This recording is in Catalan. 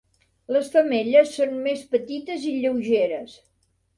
Les femelles són més petites i lleugeres.